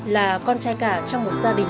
là con trai cả trong một gia đình